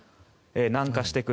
南下してくる。